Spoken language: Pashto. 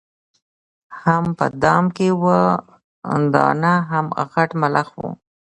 هم په دام کي وه دانه هم غټ ملخ وو